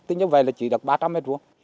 tính như vậy là chỉ được ba trăm linh m hai